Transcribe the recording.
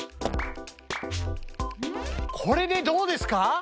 これでどうですか？